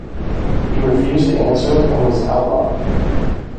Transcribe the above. He refused to answer and was outlawed.